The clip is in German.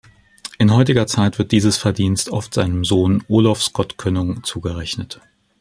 In heutiger Zeit wird dieses Verdienst oft seinem Sohn Olof Skötkonung zugerechnet.